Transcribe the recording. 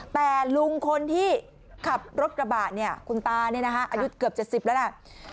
แต่ลุงคนที่ขับรถกระบะเนี่ยคุณตาอายุเกือบ๗๐แล้วล่ะ